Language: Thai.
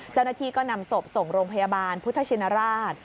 เจ้าหน้าที่ก็นำศพส่งโรงพยาบาลพุทธชินราช